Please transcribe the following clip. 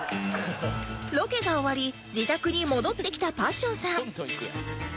ロケが終わり自宅に戻ってきたパッションさん